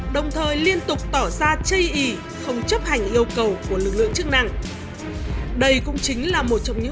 đồng thời liên tục tỏ ra chây ý với người đàn ông này